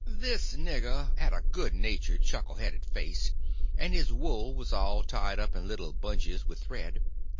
This nigger had a good natured, chuckle headed face, and his wool was all tied up in little bunches with thread.